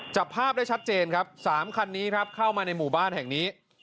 จับภาพได้ชัดเจนครับ๓คันนี้ครับเข้ามาในหมู่บ้านแห่งนี้